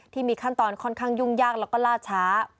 ที่มีขั้นตอนค่อนข้างยุ่งยากแล้วก็ล่าช้า